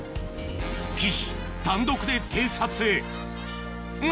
岸単独で偵察へが！